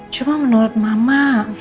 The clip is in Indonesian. cuman menurut mama